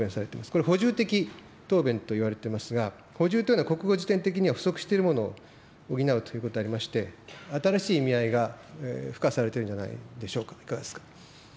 これ、補充的答弁といわれてますが、補充というは、国語辞典的には、不足しているものを補うということでありまして、新しい意味が付加されてるんじゃないんですか、いかがですか。